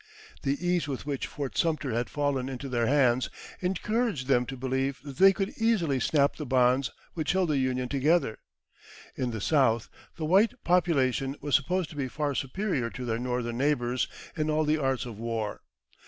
The ease with which Fort Sumter had fallen into their hands encouraged them to believe that they could easily snap the bonds which held the Union together. In the South the white population was supposed to be far superior to their Northern neighbours in all the arts of war.